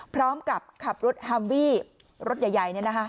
พร้อมกับขับรถฮัมวี่รถใหญ่ใหญ่เนี้ยนะคะ